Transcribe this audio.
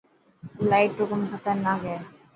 لائٽ رو ڪم خطرناڪ هي.